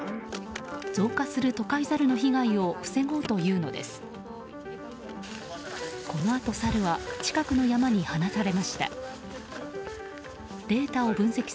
増加する都会ザルの被害を防ごうというのです。